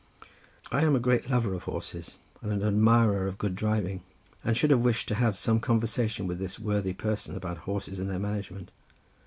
'" I am a great lover of horses, and an admirer of good driving, and should have wished to have some conversation with this worthy person about horses and their management.